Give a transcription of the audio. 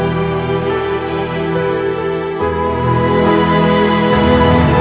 untuk mencium tangannya